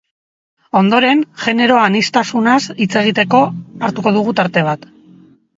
Ondoren, genero aniztasunaz hitz egiteko hartuko dugu tarte bat.